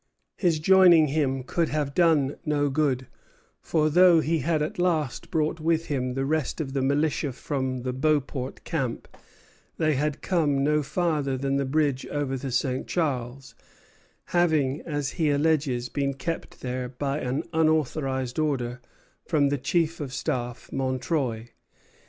His joining him could have done no good; for though he had at last brought with him the rest of the militia from the Beauport camp, they had come no farther than the bridge over the St. Charles, having, as he alleges, been kept there by an unauthorized order from the chief of staff, Montreuil.